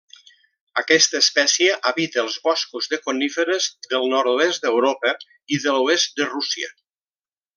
Aquesta espècie habita els boscos de coníferes del nord-oest d'Europa i de l'oest de Rússia.